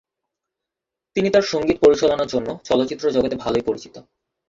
তিনি তার সঙ্গীত পরিচালনার জন্য চলচ্চিত্র জগতে ভালোই পরিচিত।